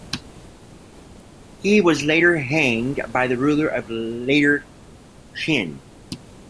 He was later hanged by the ruler of Later Qin.